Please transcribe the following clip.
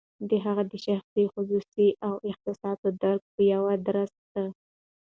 د هغه د شخصي خواصو او احساساتو درک په یوه درسته